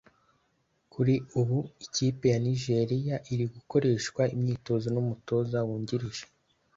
Kuri ubu ikipe ya Nigeria iri gukoreshwa imyitozo n’umutoza wungirije